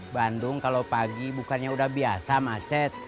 bandung kalau pagi bukannya udah biasa macet